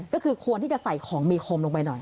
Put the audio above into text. ก็คือควรที่จะใส่ของมีคมลงไปหน่อย